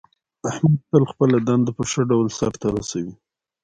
احمد تل خپله دنده په ښه ډول سرته رسوي.